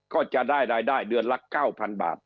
ก็จะได้รายได้เดือนละ๙๐๐บาท